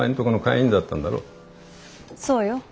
そうよ。